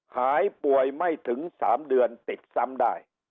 หายป่วยไม่ถึง๓เดือนติดซ้ำได้